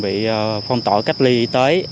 vì phong tỏa cách ly y tế